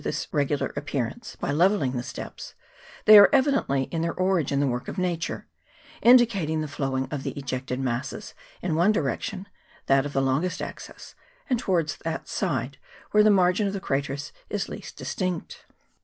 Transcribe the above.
291 this regular appearance by levelling the steps, they are evidently in their origin the work of Nature, indicating the flowing of the ejected masses in one direction, that of the longest axis, and towards that side where the margin of the craters is least dis tinct.